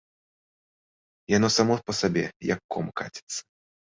Яно само па сабе, як ком каціцца.